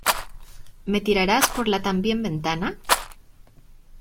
¿ Me tirarás por la también ventana?